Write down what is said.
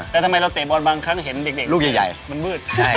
แต่ทำไมเราเตะบอลบางครั้งเห็นเด็กลูกใหญ่มันมืด